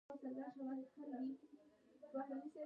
تر دې وروسته ټکنالوژیکي نوښتونه په ټپه ودرېدل